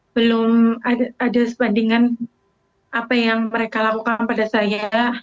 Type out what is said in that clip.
belum ada sebandingan apa yang mereka lakukan pada saya